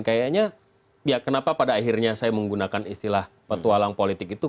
kayaknya ya kenapa pada akhirnya saya menggunakan istilah petualang politik itu